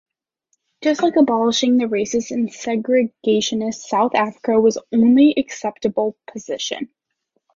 Just like abolishing the racist and segregationist South Africa was the only acceptable position.